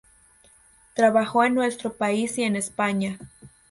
Trabajó en nuestro país y en España.